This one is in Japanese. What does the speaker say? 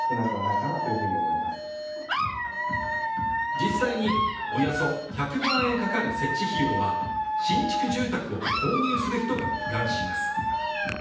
実際におよそ１００万円かかる設置費用は新築住宅を購入する人が負担します。